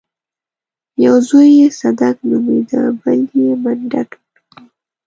يو زوی يې صدک نومېده بل يې منډک و.